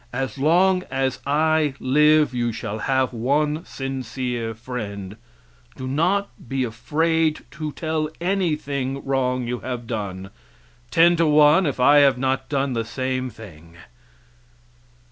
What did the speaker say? As long as I live you shall have one sincere friend; do not be afraid to tell anything wrong you have done; ten to one if I have not done the same thing.